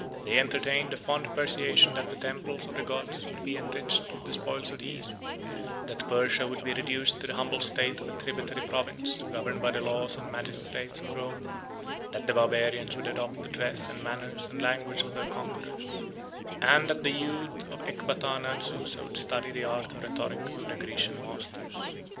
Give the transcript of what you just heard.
They entertained a fond persuasion that the temples of the gods would be enriched with the spoils of the East; that Persia would be reduced to the humble state of a tributary province, governed by the laws and magistrates of Rome; that the Barbarians would adopt the dress, and manners, and language of their conquerors; and that the youth of Ecbatana and Susa would study the art of rhetoric under Grecian masters.